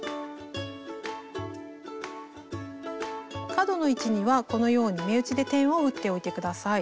角の位置にはこのように目打ちで点を打っておいて下さい。